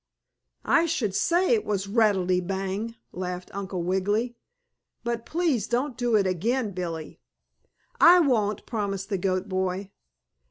"I should say it was rattle te bang!" laughed Uncle Wiggily. "But please don't do it again, Billie." "I won't," promised the goat boy.